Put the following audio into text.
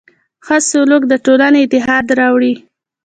ښه سلوک د ټولنې اتحاد راوړي.